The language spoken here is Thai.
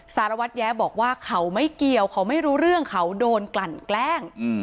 สารวัตรแย้บอกว่าเขาไม่เกี่ยวเขาไม่รู้เรื่องเขาโดนกลั่นแกล้ง